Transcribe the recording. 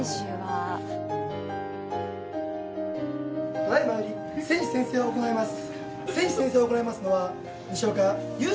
ただいまより選手宣誓を行います。